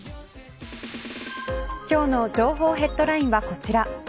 今日の情報ヘッドラインはこちら。